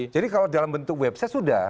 jadi kalau dalam bentuk website sudah